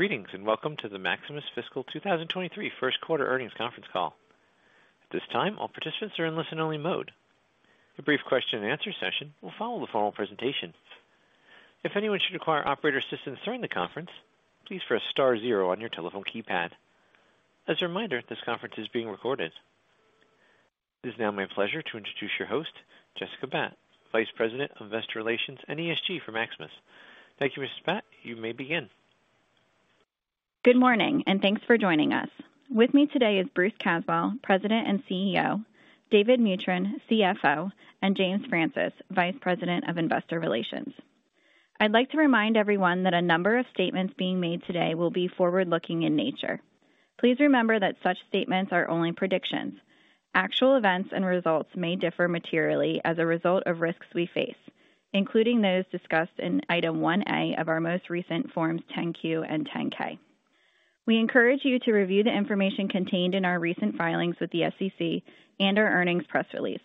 Greetings, and welcome to the Maximus Fiscal 2023 first quarter earnings conference call. At this time, all participants are in listen-only mode. A brief question-and-answer session will follow the formal presentation. If anyone should require operator assistance during the conference, please press star 0 on your telephone keypad. As a reminder, this conference is being recorded. It is now my pleasure to introduce your host, Jessica Batt, Vice President of Investor Relations and ESG for Maximus. Thank you, Ms. Batt. You may begin. Good morning, and thanks for joining us. With me today is Bruce Caswell, President and CEO, David Mutryn, CFO, and James Francis, Vice President of Investor Relations. I'd like to remind everyone that a number of statements being made today will be forward-looking in nature. Please remember that such statements are only predictions. Actual events and results may differ materially as a result of risks we face, including those discussed in Item 1-A of our most recent Forms 10-Q and 10-K. We encourage you to review the information contained in our recent filings with the SEC and our earnings press release.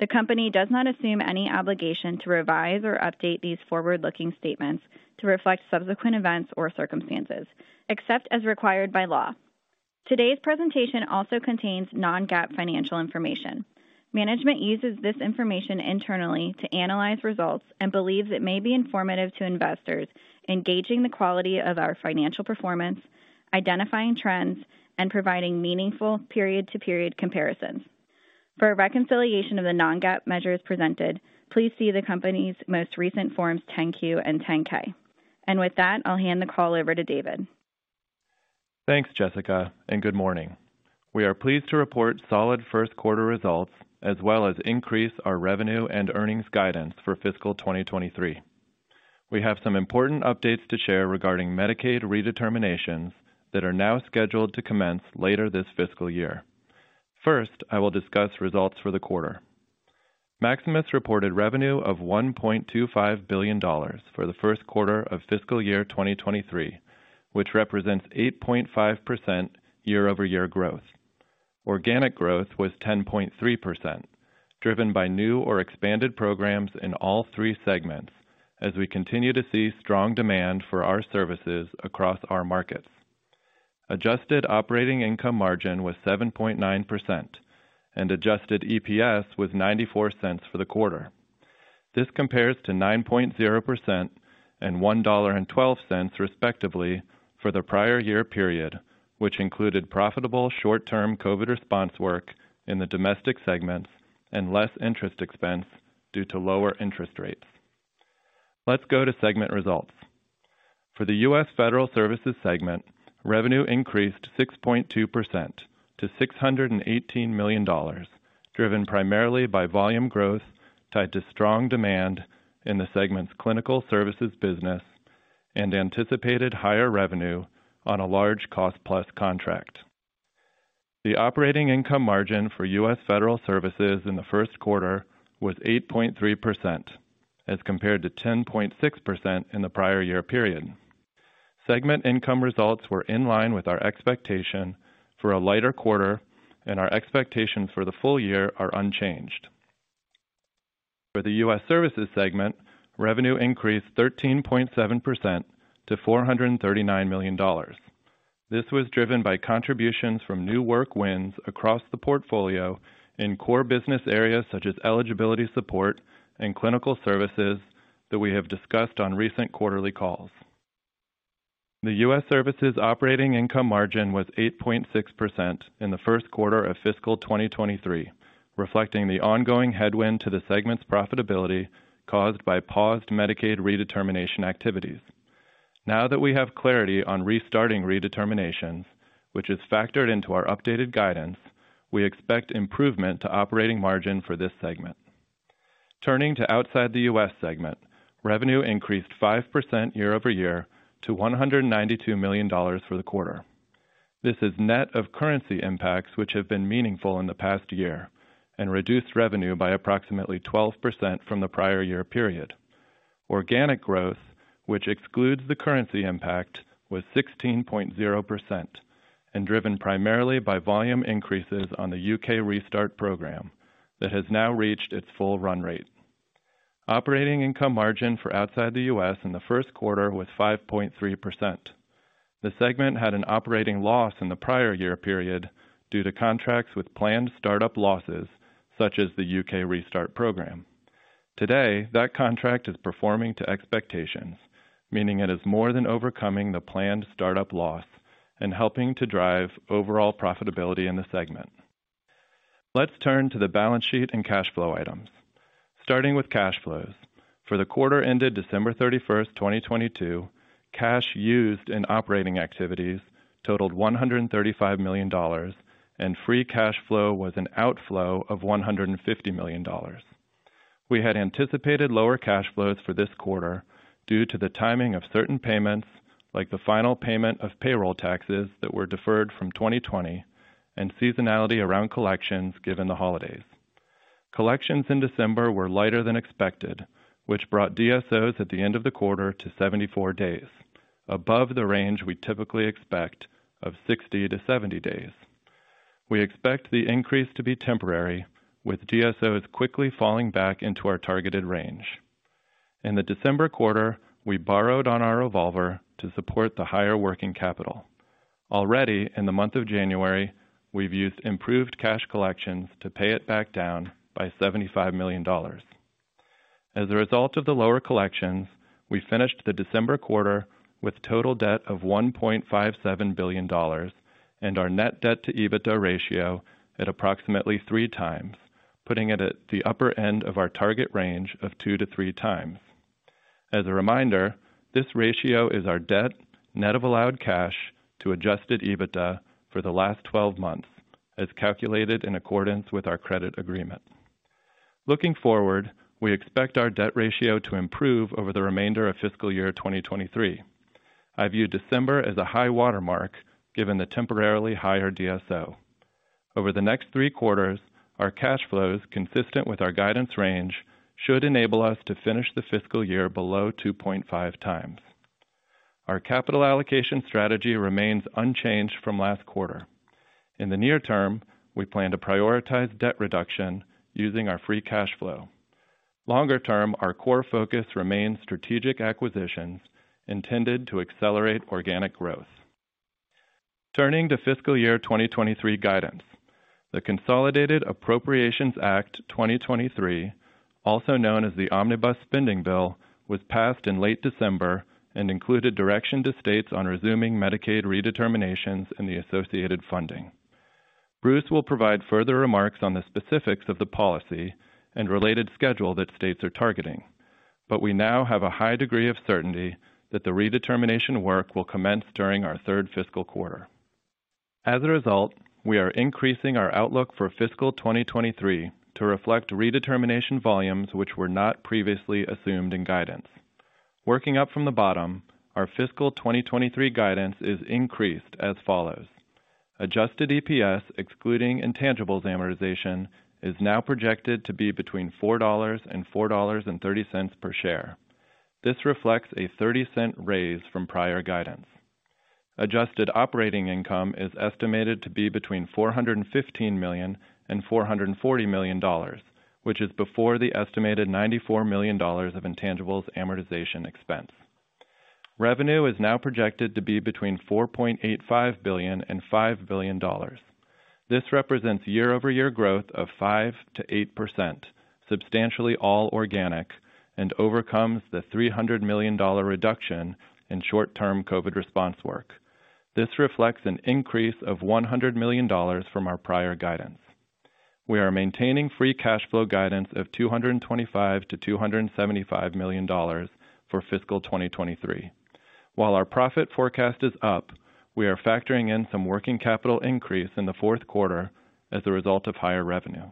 The company does not assume any obligation to revise or update these forward-looking statements to reflect subsequent events or circumstances, except as required by law. Today's presentation also contains non-GAAP financial information. Management uses this information internally to analyze results and believes it may be informative to investors in gauging the quality of our financial performance, identifying trends, and providing meaningful period-to-period comparisons. For a reconciliation of the non-GAAP measures presented, please see the company's most recent Forms 10-Q and 10-K. With that, I'll hand the call over to David. Thanks, Jessica. Good morning. We are pleased to report solid first quarter results, as well as increase our revenue and earnings guidance for fiscal 2023. We have some important updates to share regarding Medicaid redeterminations that are now scheduled to commence later this fiscal year. First, I will discuss results for the quarter. Maximus reported revenue of $1.25 billion for the first quarter of fiscal year 2023, which represents 8.5% year-over-year growth. Organic growth was 10.3%, driven by new or expanded programs in all three segments as we continue to see strong demand for our services across our markets. Adjusted operating income margin was 7.9% and adjusted EPS was $0.94 for the quarter. This compares to 9.0% and $1.12, respectively, for the prior year period, which included profitable short-term COVID response work in the domestic segments and less interest expense due to lower interest rates. Let's go to segment results. For the U.S. Federal Services segment, revenue increased 6.2% to $618 million, driven primarily by volume growth tied to strong demand in the segment's clinical services business and anticipated higher revenue on a large cost plus contract. The operating income margin for U.S. Federal Services in the first quarter was 8.3% as compared to 10.6% in the prior year period. Segment income results were in line with our expectation for a lighter quarter, and our expectations for the full year are unchanged. For the U.S. Services segment, revenue increased 13.7% to $439 million. This was driven by contributions from new work wins across the portfolio in core business areas such as eligibility support and clinical services that we have discussed on recent quarterly calls. The U.S. Services operating income margin was 8.6% in the first quarter of fiscal 2023, reflecting the ongoing headwind to the segment's profitability caused by paused Medicaid redetermination activities. Now that we have clarity on restarting redeterminations, which is factored into our updated guidance, we expect improvement to operating margin for this segment. Turning to outside the U.S. segment, revenue increased 5% year-over-year to $192 million for the quarter. This is net of currency impacts which have been meaningful in the past year and reduced revenue by approximately 12% from the prior year period. Organic growth, which excludes the currency impact, was 16.0% and driven primarily by volume increases on the U.K. Restart program that has now reached its full run rate. Operating income margin for outside the U.S. in the first quarter was 5.3%. The segment had an operating loss in the prior year period due to contracts with planned startup losses such as the U.K. Restart program. Today, that contract is performing to expectations, meaning it is more than overcoming the planned startup loss and helping to drive overall profitability in the segment. Let's turn to the balance sheet and cash flow items. Starting with cash flows. For the quarter ended December 31st, 2022, cash used in operating activities totaled $135 million and free cash flow was an outflow of $150 million. We had anticipated lower cash flows for this quarter due to the timing of certain payments, like the final payment of payroll taxes that were deferred from 2020 and seasonality around collections given the holidays. Collections in December were lighter than expected, which brought DSOs at the end of the quarter to 74 days, above the range we typically expect of 60-70 days. We expect the increase to be temporary, with DSOs quickly falling back into our targeted range. In the December quarter, we borrowed on our revolver to support the higher working capital. Already in the month of January, we've used improved cash collections to pay it back down by $75 million. Result of the lower collections, we finished the December quarter with total debt of $1.57 billion and our net debt to EBITDA ratio at approximately 3x, putting it at the upper end of our target range of 2x-3x. Reminder, this ratio is our debt, net of allowed cash, to adjusted EBITDA for the last 12 months, as calculated in accordance with our credit agreement. Looking forward, we expect our debt ratio to improve over the remainder of fiscal year 2023. I view December as a high watermark given the temporarily higher DSO. Over the next three quarters, our cash flows consistent with our guidance range should enable us to finish the fiscal year below 2.5x. Our capital allocation strategy remains unchanged from last quarter. In the near term, we plan to prioritize debt reduction using our free cash flow. Longer term, our core focus remains strategic acquisitions intended to accelerate organic growth. Turning to fiscal year 2023 guidance. The Consolidated Appropriations Act, 2023, also known as the Omnibus Spending Bill, was passed in late December and included direction to states on resuming Medicaid redeterminations and the associated funding. Bruce will provide further remarks on the specifics of the policy and related schedule that states are targeting, but we now have a high degree of certainty that the redetermination work will commence during our third fiscal quarter. As a result, we are increasing our outlook for fiscal 2023 to reflect redetermination volumes which were not previously assumed in guidance. Working up from the bottom, our fiscal 2023 guidance is increased as follows: Adjusted EPS, excluding intangibles amortization, is now projected to be between $4.00 and $4.30 per share. This reflects a $0.30 raise from prior guidance. Adjusted operating income is estimated to be between $415 million and $440 million, which is before the estimated $94 million of intangibles amortization expense. Revenue is now projected to be between $4.85 billion and $5 billion. This represents year-over-year growth of 5%-8%, substantially all organic and overcomes the $300 million reduction in short-term COVID response work. This reflects an increase of $100 million from our prior guidance. We are maintaining free cash flow guidance of $225 million-$275 million for fiscal 2023. Our profit forecast is up, we are factoring in some working capital increase in the fourth quarter as a result of higher revenue.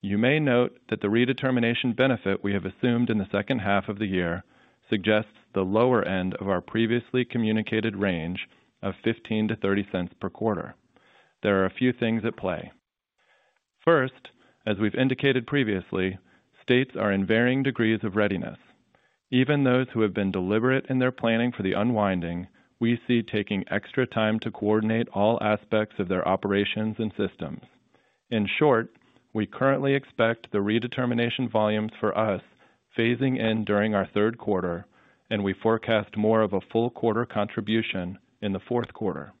You may note that the redetermination benefit we have assumed in the second half of the year suggests the lower end of our previously communicated range of $0.15-$0.30 per quarter. There are a few things at play. As we've indicated previously, states are in varying degrees of readiness. Even those who have been deliberate in their planning for the unwinding, we see taking extra time to coordinate all aspects of their operations and systems. In short, we currently expect the redetermination volumes for us phasing in during our third quarter, and we forecast more of a full quarter contribution in the fourth quarter.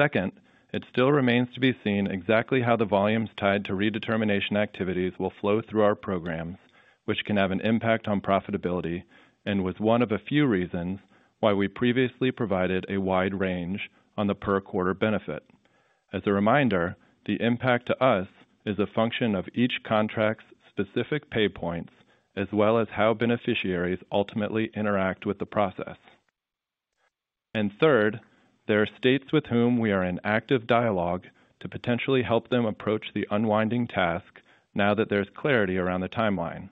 Second, it still remains to be seen exactly how the volumes tied to redetermination activities will flow through our programs, which can have an impact on profitability and was one of a few reasons why we previously provided a wide range on the per quarter benefit. Third, there are states with whom we are in active dialogue to potentially help them approach the unwinding task now that there's clarity around the timeline.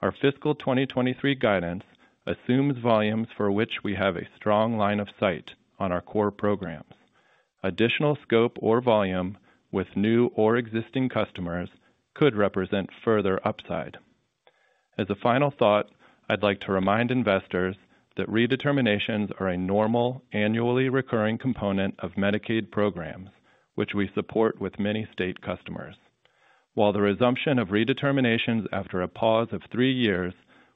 Our fiscal 2023 guidance assumes volumes for which we have a strong line of sight on our core programs. Additional scope or volume with new or existing customers could represent further upside. As a final thought, I'd like to remind investors that redeterminations are a normal annually recurring component of Medicaid programs, which we support with many state customers. While the resumption of redeterminations after a pause of three years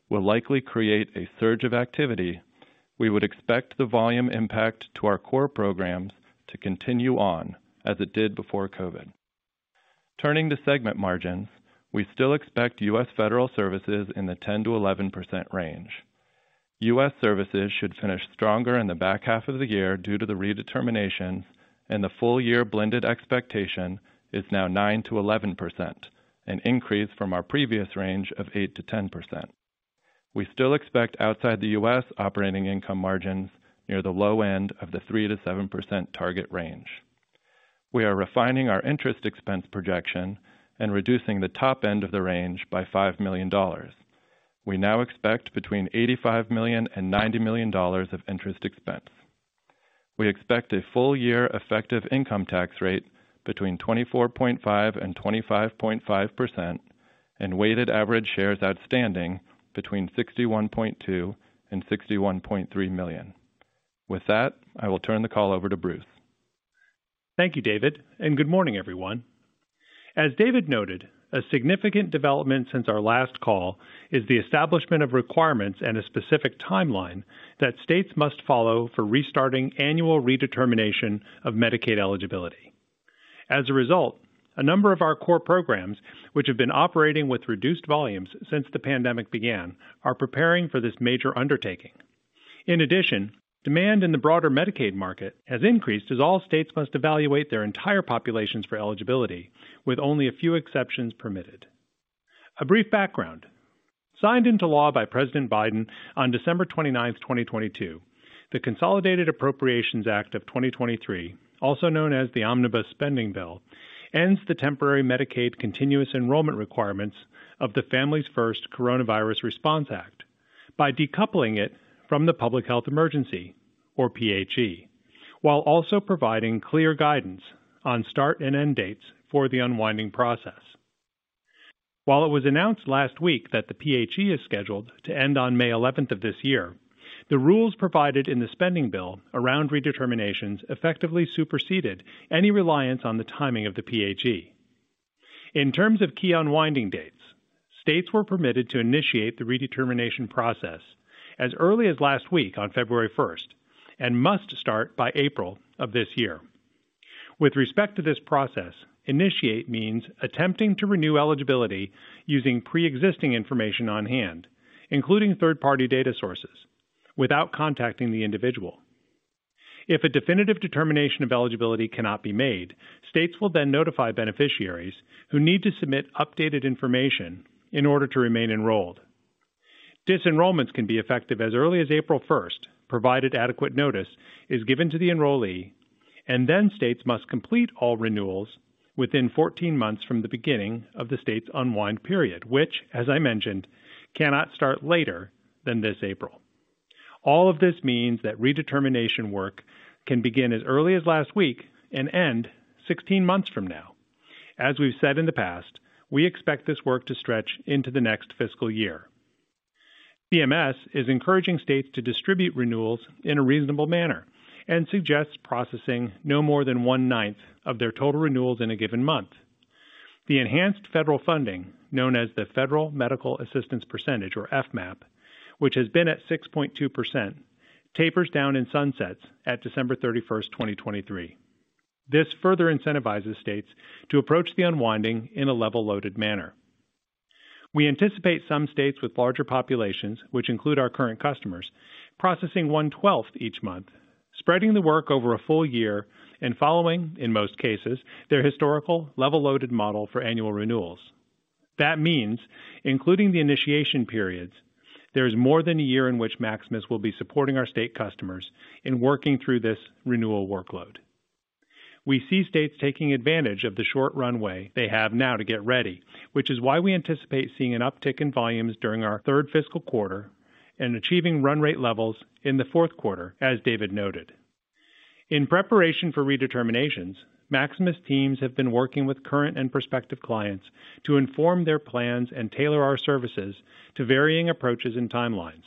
will likely create a surge of activity, we would expect the volume impact to our core programs to continue on as it did before COVID. Turning to segment margins, we still expect U.S. Federal Services in the 10%-11% range. U.S. Services should finish stronger in the back half of the year due to the redeterminations, and the full year blended expectation is now 9%-11%, an increase from our previous range of 8%-10%. We still expect outside the U.S. operating income margins near the low end of the 3%-7% target range. We are refining our interest expense projection and reducing the top end of the range by $5 million. We now expect between $85 million and $90 million of interest expense. We expect a full year effective income tax rate between 24.5% and 25.5%. Weighted average shares outstanding between 61.2 million and 61.3 million. With that, I will turn the call over to Bruce. Thank you, David, and good morning, everyone. As David noted, a significant development since our last call is the establishment of requirements and a specific timeline that states must follow for restarting annual redetermination of Medicaid eligibility. As a result, a number of our core programs, which have been operating with reduced volumes since the pandemic began, are preparing for this major undertaking. In addition, demand in the broader Medicaid market has increased as all states must evaluate their entire populations for eligibility, with only a few exceptions permitted. A brief background. Signed into law by President Biden on December 29th, 2022, the Consolidated Appropriations Act of 2023, also known as the Omnibus Spending Bill, ends the temporary Medicaid continuous enrollment requirements of the Families First Coronavirus Response Act by decoupling it from the public health emergency, or PHE, while also providing clear guidance on start and end dates for the unwinding process. While it was announced last week that the PHE is scheduled to end on May 11th of this year, the rules provided in the spending bill around redeterminations effectively superseded any reliance on the timing of the PHE. In terms of key unwinding dates, states were permitted to initiate the redetermination process as early as last week on February 1st and must start by April of this year. With respect to this process, initiate means attempting to renew eligibility using pre-existing information on hand, including third-party data sources, without contacting the individual. If a definitive determination of eligibility cannot be made, states will then notify beneficiaries who need to submit updated information in order to remain enrolled. Disenrollments can be effective as early as April 1st, provided adequate notice is given to the enrollee, and then states must complete all renewals within 14 months from the beginning of the state's unwind period, which as I mentioned, cannot start later than this April. All of this means that redetermination work can begin as early as last week and end 16 months from now. As we've said in the past, we expect this work to stretch into the next fiscal year. CMS is encouraging states to distribute renewals in a reasonable manner and suggests processing no more than one-ninth of their total renewals in a given month. The enhanced federal funding, known as the Federal Medical Assistance Percentage, or FMAP, which has been at 6.2%, tapers down and sunsets at December 31st, 2023. This further incentivizes states to approach the unwinding in a level-loaded manner. We anticipate some states with larger populations, which include our current customers, processing one-twelfth each month, spreading the work over a full year, and following, in most cases, their historical level-loaded model for annual renewals. That means, including the initiation periods, there is more than a year in which Maximus will be supporting our state customers in working through this renewal workload. We see states taking advantage of the short runway they have now to get ready, which is why we anticipate seeing an uptick in volumes during our third fiscal quarter and achieving run rate levels in the fourth quarter, as David noted. In preparation for redeterminations, Maximus teams have been working with current and prospective clients to inform their plans and tailor our services to varying approaches and timelines.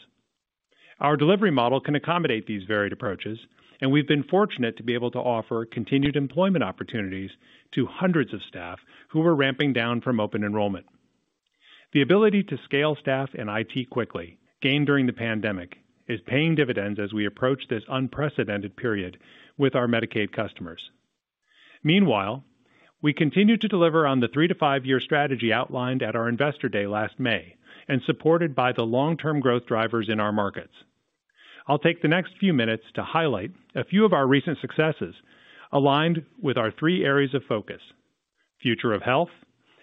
Our delivery model can accommodate these varied approaches, and we've been fortunate to be able to offer continued employment opportunities to hundreds of staff who are ramping down from open enrollment. The ability to scale staff and IT quickly gained during the pandemic is paying dividends as we approach this unprecedented period with our Medicaid customers. Meanwhile, we continue to deliver on the three-to-five year strategy outlined at our Investor Day last May and supported by the long-term growth drivers in our markets. I'll take the next few minutes to highlight a few of our recent successes aligned with our three areas of focus: future of health,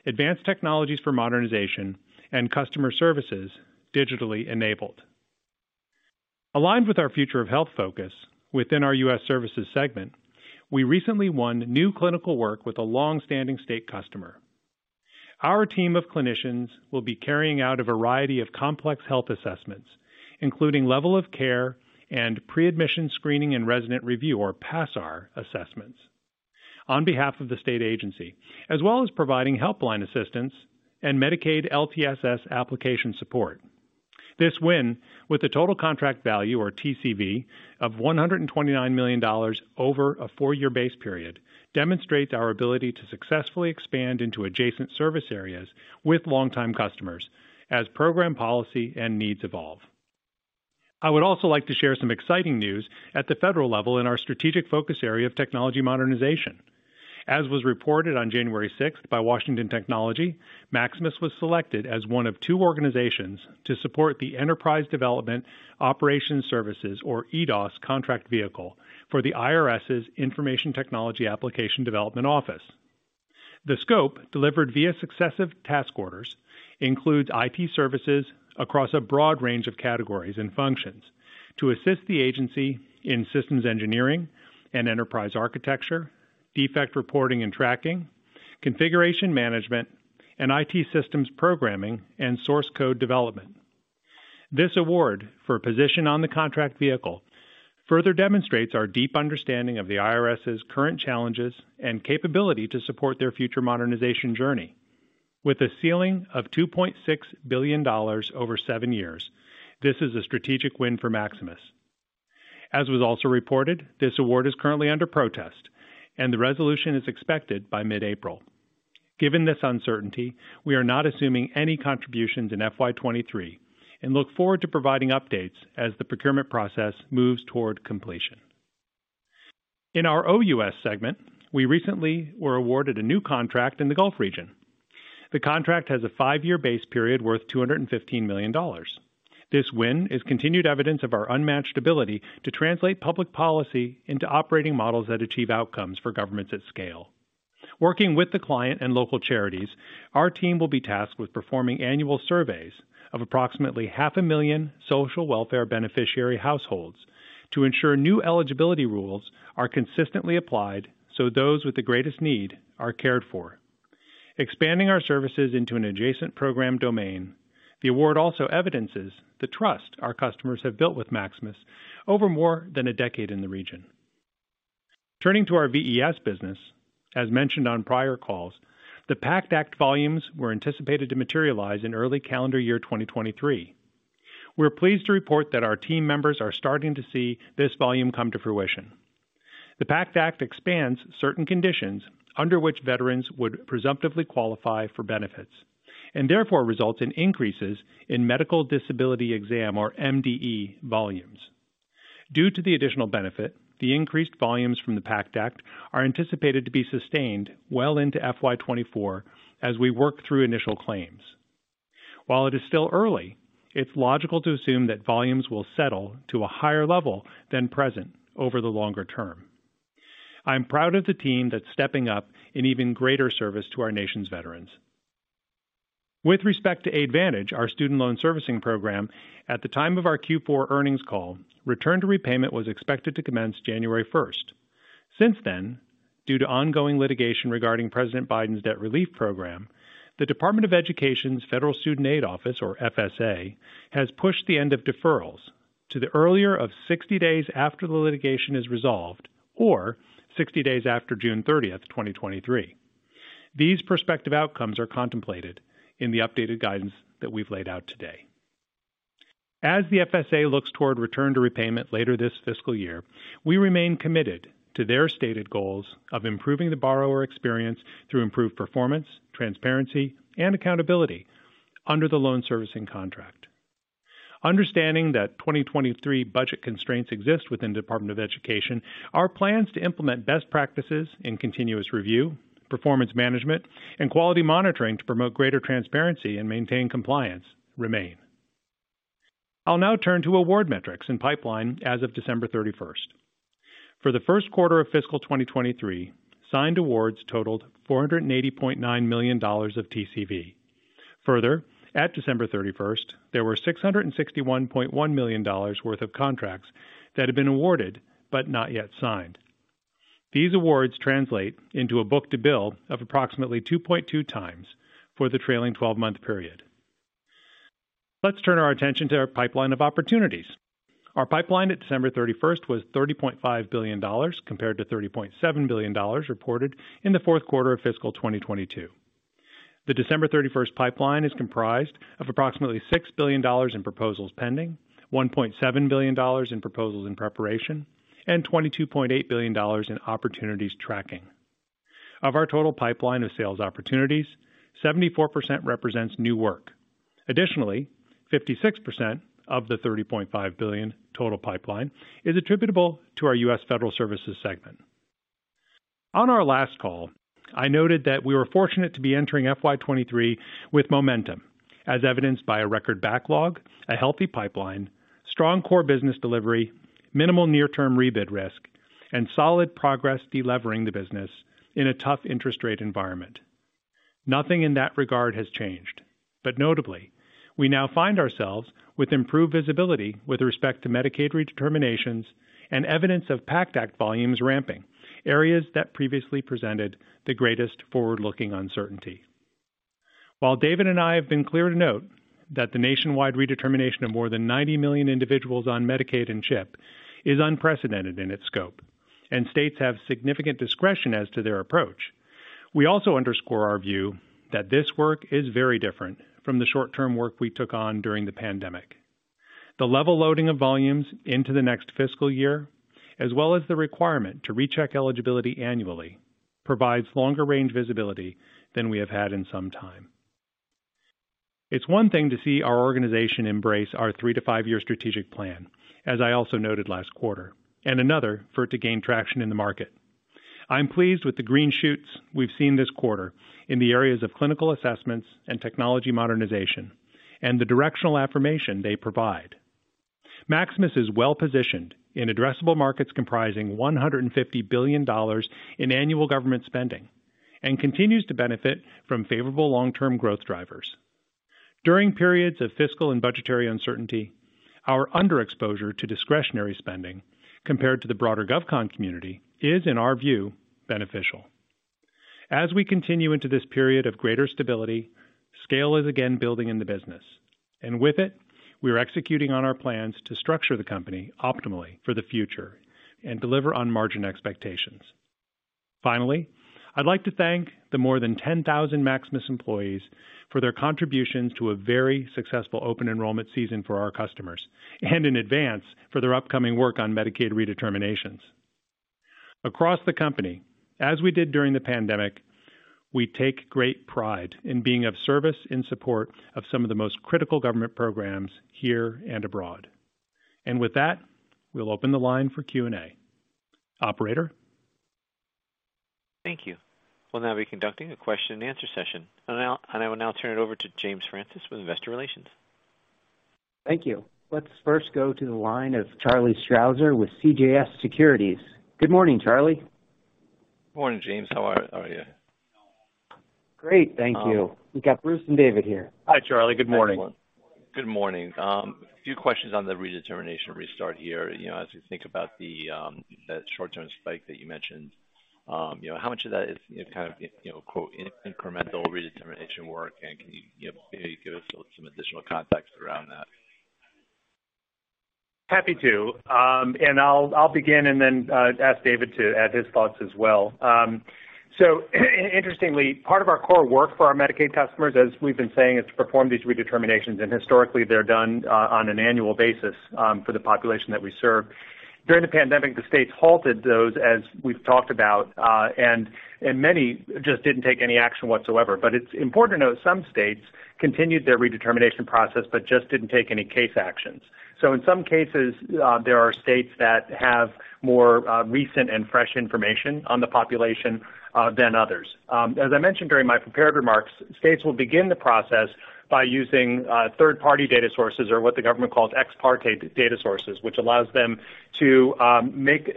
advanced technologies for modernization, and customer services digitally enabled. Aligned with our future of health focus within our U.S. Services segment, we recently won new clinical work with a long-standing state customer. Our team of clinicians will be carrying out a variety of complex health assessments, including level of care and Preadmission Screening and Resident Review or PASRR assessments on behalf of the state agency, as well as providing helpline assistance and Medicaid LTSS application support. This win, with a total contract value or TCV of $129 million over a four year base period, demonstrates our ability to successfully expand into adjacent service areas with long-time customers as program policy and needs evolve. I would also like to share some exciting news at the federal level in our strategic focus area of technology modernization. As was reported on January 6 by Washington Technology, Maximus was selected as one of two organizations to support the Enterprise Development, Operations Services, or EDOS, contract vehicle for the IRS's Information Technology Applications Development Office. The scope delivered via successive task orders includes IT services across a broad range of categories and functions to assist the agency in systems engineering and enterprise architecture, defect reporting and tracking, configuration management, and IT systems programming and source code development. This award for a position on the contract vehicle further demonstrates our deep understanding of the IRS's current challenges and capability to support their future modernization journey. With a ceiling of $2.6 billion over seven years, this is a strategic win for Maximus. As was also reported, this award is currently under protest, and the resolution is expected by mid-April. Given this uncertainty, we are not assuming any contributions in FY 2023 and look forward to providing updates as the procurement process moves toward completion. In our OUS segment, we recently were awarded a new contract in the Gulf region. The contract has a five-year base period worth $215 million. This win is continued evidence of our unmatched ability to translate public policy into operating models that achieve outcomes for governments at scale. Working with the client and local charities, our team will be tasked with performing annual surveys of approximately half a million social welfare beneficiary households to ensure new eligibility rules are consistently applied so those with the greatest need are cared for. Expanding our services into an adjacent program domain, the award also evidences the trust our customers have built with Maximus over more than a decade in the region. Turning to our VES business, as mentioned on prior calls, the PACT Act volumes were anticipated to materialize in early calendar year 2023. We're pleased to report that our team members are starting to see this volume come to fruition. The PACT Act expands certain conditions under which veterans would presumptively qualify for benefits, and therefore results in increases in medical disability exam or MDE volumes. Due to the additional benefit, the increased volumes from the PACT Act are anticipated to be sustained well into FY 2024 as we work through initial claims. While it is still early, it's logical to assume that volumes will settle to a higher level than present over the longer term. I'm proud of the team that's stepping up in even greater service to our nation's veterans. With respect to Aidvantage, our student loan servicing program, at the time of our Q4 earnings call, return to repayment was expected to commence January 1st. Since then, due to ongoing litigation regarding President Biden's debt relief program, the Department of Education's Federal Student Aid office or FSA, has pushed the end of deferrals to the earlier of 60 days after the litigation is resolved or 60 days after June 30th, 2023. These prospective outcomes are contemplated in the updated guidance that we've laid out today. As the FSA looks toward return to repayment later this fiscal year, we remain committed to their stated goals of improving the borrower experience through improved performance, transparency, and accountability under the loan servicing contract. Understanding that 2023 budget constraints exist within Department of Education, our plans to implement best practices in continuous review, performance management, and quality monitoring to promote greater transparency and maintain compliance remain. I'll now turn to award metrics and pipeline as of December 31st. For the first quarter of fiscal 2023, signed awards totaled $480.9 million of TCV. At December 31st, there were $661.1 million worth of contracts that had been awarded but not yet signed. These awards translate into a book-to-bill of approximately 2.2x for the trailing 12-month period. Let's turn our attention to our pipeline of opportunities. Our pipeline at December 31st was $30.5 billion compared to $30.7 billion reported in the fourth quarter of fiscal 2022. The December 31st pipeline is comprised of approximately $6 billion in proposals pending, $1.7 billion in proposals in preparation, and $22.8 billion in opportunities tracking. Of our total pipeline of sales opportunities, 74% represents new work. Additionally, 56% of the $30.5 billion total pipeline is attributable to our U.S. Federal Services segment. On our last call, I noted that we were fortunate to be entering FY 2023 with momentum, as evidenced by a record backlog, a healthy pipeline, strong core business delivery, minimal near-term rebid risk, and solid progress delevering the business in a tough interest rate environment. Nothing in that regard has changed. Notably, we now find ourselves with improved visibility with respect to Medicaid redeterminations and evidence of PACT Act volumes ramping, areas that previously presented the greatest forward-looking uncertainty. While David and I have been clear to note that the nationwide redetermination of more than 90 million individuals on Medicaid and CHIP is unprecedented in its scope, and states have significant discretion as to their approach, we also underscore our view that this work is very different from the short-term work we took on during the pandemic. The level loading of volumes into the next fiscal year, as well as the requirement to recheck eligibility annually, provides longer-range visibility than we have had in some time. It's one thing to see our organization embrace our three to five years strategic plan, as I also noted last quarter, and another for it to gain traction in the market. I'm pleased with the green shoots we've seen this quarter in the areas of clinical assessments and technology modernization, and the directional affirmation they provide. Maximus is well-positioned in addressable markets comprising $150 billion in annual government spending and continues to benefit from favorable long-term growth drivers. During periods of fiscal and budgetary uncertainty, our underexposure to discretionary spending compared to the broader GovCon community is, in our view, beneficial. As we continue into this period of greater stability, scale is again building in the business, and with it, we are executing on our plans to structure the company optimally for the future and deliver on margin expectations. Finally, I'd like to thank the more than 10,000 Maximus employees for their contributions to a very successful open enrollment season for our customers, and in advance for their upcoming work on Medicaid redeterminations. Across the company, as we did during the pandemic, we take great pride in being of service in support of some of the most critical government programs here and abroad. With that, we'll open the line for Q&A. Operator? Thank you. We'll now be conducting a question and answer session. I will now turn it over to James Francis with Investor Relations. Thank you. Let's first go to the line of Charlie Strauzer with CJS Securities. Good morning, Charlie. Morning, James. How are you? Great. Thank you. We've got Bruce and David here. Hi, Charlie. Good morning. Good morning. A few questions on the redetermination restart here, you know, as you think about the short-term spike that you mentioned, you know, how much of that is kind of, you know, quote, "incremental redetermination work"? Can you know, maybe give us some additional context around that? Happy to. I'll begin and then ask David to add his thoughts as well. Interestingly, part of our core work for our Medicaid customers, as we've been saying, is to perform these redeterminations, and historically, they're done on an annual basis for the population that we serve. During the pandemic, the states halted those, as we've talked about, and many just didn't take any action whatsoever. It's important to note some states continued their redetermination process but just didn't take any case actions. In some cases, there are states that have more recent and fresh information on the population than others. As I mentioned during my prepared remarks, states will begin the process by using third-party data sources or what the government calls ex parte data sources, which allows them to make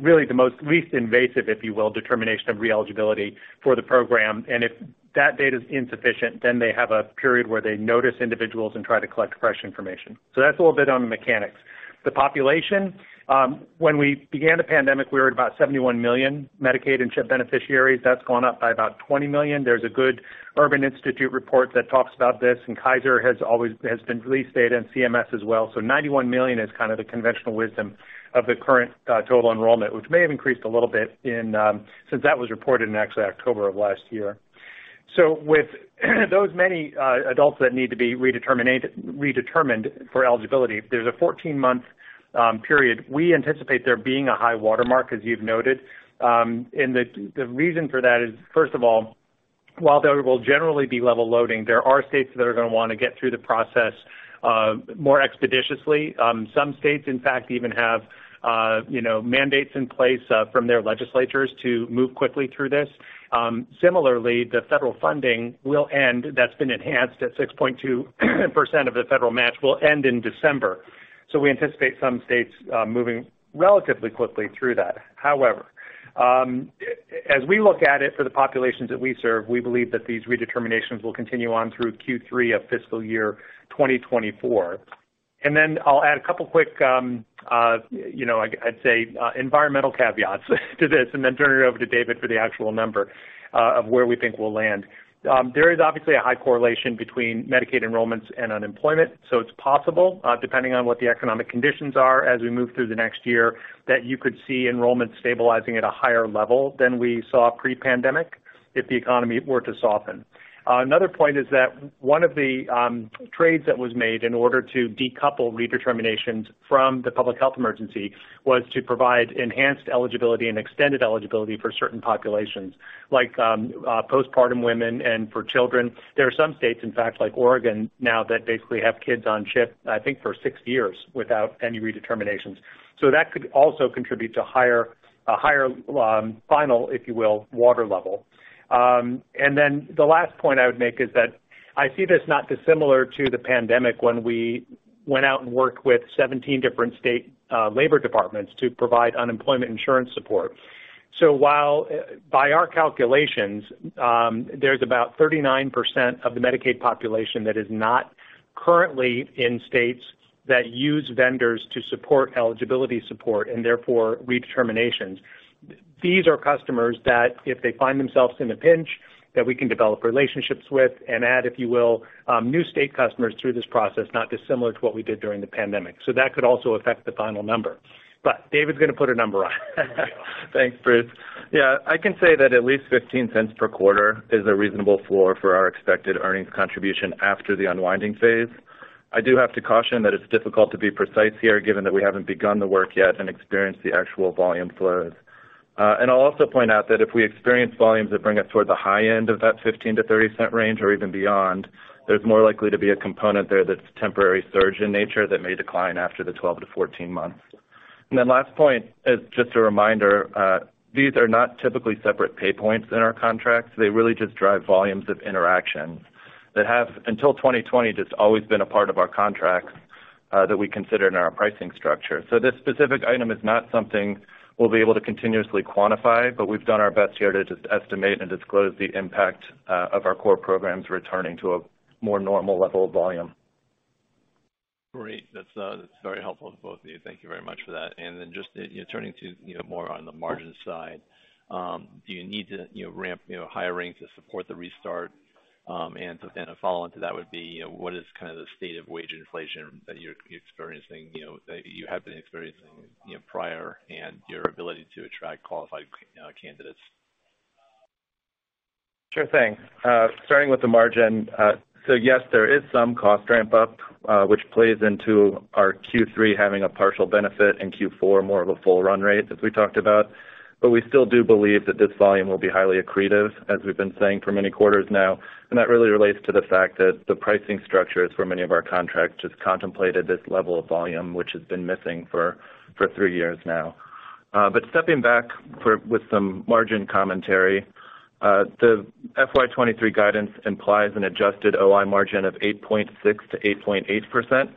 really the most least invasive, if you will, determination of re-eligibility for the program. If that data is insufficient, then they have a period where they notice individuals and try to collect fresh information. That's a little bit on the mechanics. The population, when we began the pandemic, we were at about 71 million Medicaid and CHIP beneficiaries. That's gone up by about 20 million. There's a good Urban Institute report that talks about this, and KFF has been released data and CMS as well. 91 million is kind of the conventional wisdom of the current total enrollment, which may have increased a little bit in since that was reported in actually October of last year. With those many adults that need to be redetermined for eligibility, there's a 14-month period. We anticipate there being a high watermark, as you've noted. And the reason for that is, first of all, while there will generally be level loading, there are states that are gonna wanna get through the process more expeditiously. Some states, in fact, even have, you know, mandates in place from their legislatures to move quickly through this. Similarly, the federal funding will end, that's been enhanced at 6.2% of the federal match, will end in December. We anticipate some states moving relatively quickly through that. As we look at it for the populations that we serve, we believe that these redeterminations will continue on through Q3 of fiscal year 2024. Then I'll add a couple quick, you know, I'd say environmental caveats to this and then turn it over to David for the actual number of where we think we'll land. There is obviously a high correlation between Medicaid enrollments and unemployment. It's possible, depending on what the economic conditions are as we move through the next year, that you could see enrollment stabilizing at a higher level than we saw pre-pandemic if the economy were to soften. Another point is that one of the trades that was made in order to decouple redeterminations from the public health emergency was to provide enhanced eligibility and extended eligibility for certain populations, like postpartum women and for children. There are some states, in fact, like Oregon now, that basically have kids on CHIP, I think for six years without any redeterminations. That could also contribute to higher, a higher, final, if you will, water level. The last point I would make is that I see this not dissimilar to the pandemic when we went out and worked with 17 different state labor departments to provide unemployment insurance support. While by our calculations, there's about 39% of the Medicaid population that is not currently in states that use vendors to support eligibility support and therefore redeterminations. These are customers that if they find themselves in a pinch, that we can develop relationships with and add, if you will, new state customers through this process, not dissimilar to what we did during the pandemic. That could also affect the final number. David's gonna put a number on it. Thanks, Bruce. Yeah, I can say that at least $0.15 per quarter is a reasonable floor for our expected earnings contribution after the unwinding phase. I do have to caution that it's difficult to be precise here, given that we haven't begun the work yet and experienced the actual volume flows. I'll also point out that if we experience volumes that bring us toward the high end of that $0.15-$0.30 range or even beyond, there's more likely to be a component there that's temporary surge in nature that may decline after the 12-14 months. Last point, as just a reminder, these are not typically separate pay points in our contracts. They really just drive volumes of interaction that have, until 2020, just always been a part of our contracts that we consider in our pricing structure. This specific item is not something we'll be able to continuously quantify, but we've done our best here to just estimate and disclose the impact of our core programs returning to a more normal level of volume. Great. That's very helpful to both of you. Thank you very much for that. Just, you know, turning to, you know, more on the margin side, do you need to, you know, ramp, you know, hiring to support the U.K. Restart? To kind of follow into that would be, you know, what is kind of the state of wage inflation that you're experiencing, you know, that you have been experiencing, you know, prior and your ability to attract qualified candidates? Sure thing. Starting with the margin. Yes, there is some cost ramp up, which plays into our Q3 having a partial benefit in Q4, more of a full run rate, as we talked about. We still do believe that this volume will be highly accretive, as we've been saying for many quarters now. That really relates to the fact that the pricing structures for many of our contracts has contemplated this level of volume, which has been missing for three years now. Stepping back with some margin commentary, the FY 2023 guidance implies an adjusted OI margin of 8.6%-8.8%,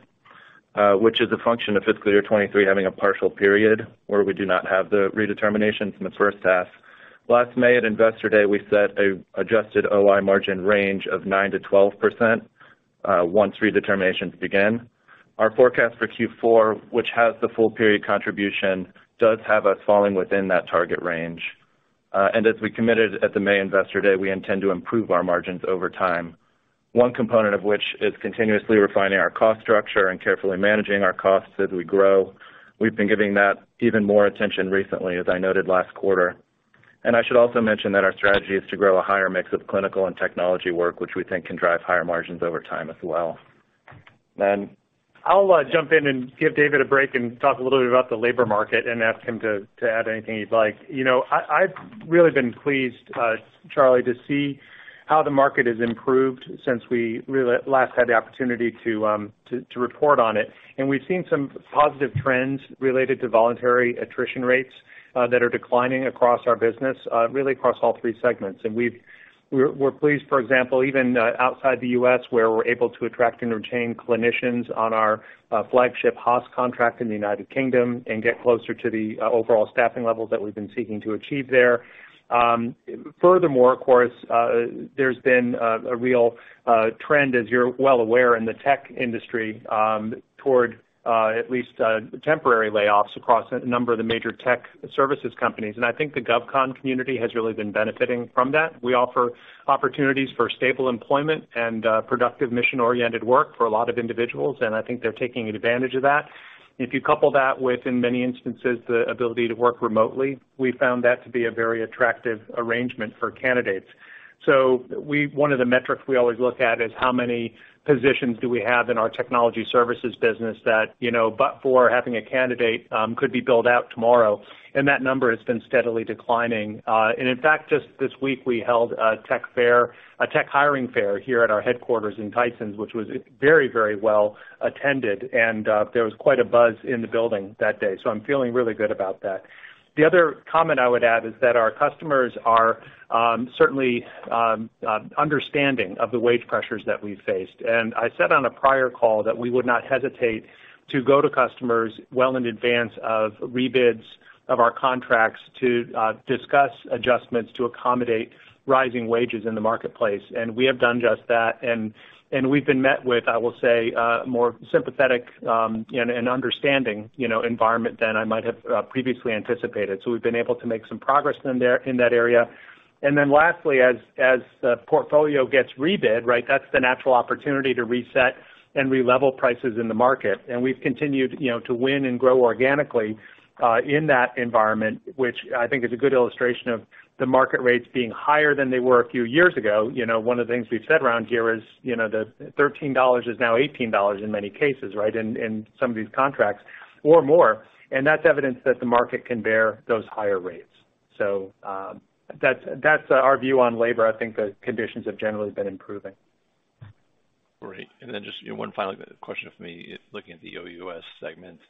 which is a function of fiscal year 2023 having a partial period where we do not have the redeterminations in the first half. Last May at Investor Day, we set a adjusted OI margin range of 9%-12%, once redeterminations begin. Our forecast for Q4, which has the full period contribution, does have us falling within that target range. As we committed at the May Investor Day, we intend to improve our margins over time. One component of which is continuously refining our cost structure and carefully managing our costs as we grow. We've been giving that even more attention recently, as I noted last quarter. I should also mention that our strategy is to grow a higher mix of clinical and technology work, which we think can drive higher margins over time as well. Bruce. I'll jump in and give David a break and talk a little bit about the labor market and ask him to add anything he'd like. You know, I've really been pleased, Charlie, to see how the market has improved since we last had the opportunity to report on it. We've seen some positive trends related to voluntary attrition rates that are declining across our business, really across all three segments. We're pleased, for example, even outside the U.S., where we're able to attract and retain clinicians on our flagship HAAS contract in the United Kingdom and get closer to the overall staffing levels that we've been seeking to achieve there. Furthermore, of course, there's been a real trend, as you're well aware, in the tech industry, toward at least temporary layoffs across a number of the major tech services companies. I think the GovCon community has really been benefiting from that. We offer opportunities for stable employment and productive mission-oriented work for a lot of individuals, and I think they're taking advantage of that. If you couple that with, in many instances, the ability to work remotely, we found that to be a very attractive arrangement for candidates. One of the metrics we always look at is how many positions do we have in our technology services business that, you know, but for having a candidate, could be built out tomorrow, and that number has been steadily declining. In fact, just this week, we held a tech fair, a tech hiring fair here at our headquarters in Tysons, which was very, very well attended, and there was quite a buzz in the building that day. I'm feeling really good about that. The other comment I would add is that our customers are certainly understanding of the wage pressures that we've faced. I said on a prior call that we would not hesitate to go to customers well in advance of rebids of our contracts to discuss adjustments to accommodate rising wages in the marketplace. We have done just that. We've been met with, I will say, more sympathetic and understanding, you know, environment than I might have previously anticipated. We've been able to make some progress in that area. lastly, as the portfolio gets rebid, right, that's the natural opportunity to reset and relevel prices in the market. We've continued, you know, to win and grow organically in that environment, which I think is a good illustration of the market rates being higher than they were a few years ago. You know, one of the things we've said around here is, you know, the $13 is now $18 in many cases, right, in some of these contracts or more. That's evidence that the market can bear those higher rates. That's our view on labor. I think the conditions have generally been improving. Great. Just one final question for me is looking at the OUS segment.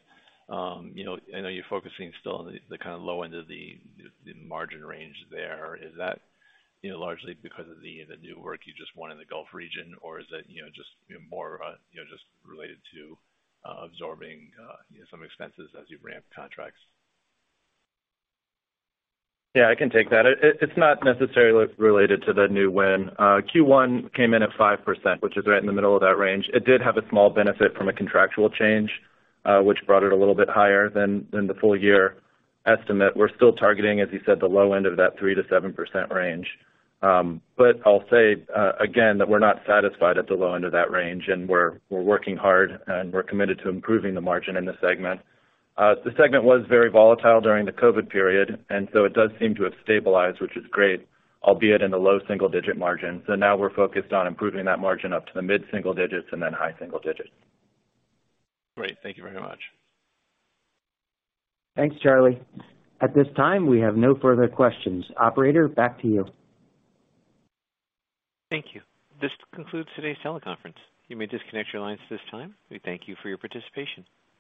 you know, I know you're focusing still on the kind of low end of the margin range there. Is that, you know, largely because of the new work you just won in the Gulf region or is it, you know, just, you know, more, you know, just related to, absorbing, you know, some expenses as you ramp contracts? Yeah, I can take that. It, it's not necessarily related to the new win. Q1 came in at 5%, which is right in the middle of that range. It did have a small benefit from a contractual change, which brought it a little bit higher than the full year estimate. We're still targeting, as you said, the low end of that 3%-7% range. I'll say again, that we're not satisfied at the low end of that range, and we're working hard, and we're committed to improving the margin in the segment. The segment was very volatile during the COVID period, it does seem to have stabilized, which is great, albeit in the low single-digit margin. Now we're focused on improving that margin up to the mid single-digits and then high single-digits. Great. Thank you very much. Thanks, Charlie. At this time, we have no further questions. Operator, back to you. Thank you. This concludes today's teleconference. You may disconnect your lines at this time. We thank you for your participation.